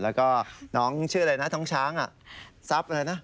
แล้วก็น้องชื่ออะไรนะท้องช้างทรัพย์อะไรนะ